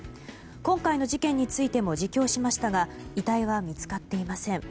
今回の事件についても自供しましたが遺体は見つかっていません。